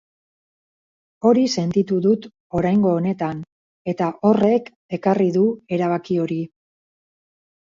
Hori sentitu dut oraingo honetan, eta horrek ekarri du erabaki hori.